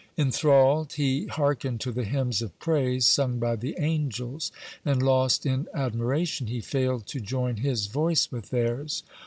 (33) Enthralled he hearkened to the hymns of praise sung by the angels, and lost in admiration he failed to join his voice with theirs.